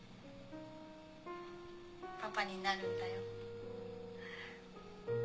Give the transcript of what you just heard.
パパになるんだよ。